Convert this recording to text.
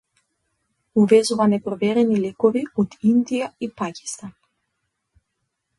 Увезува непроверени лекови од Индија и Пакистан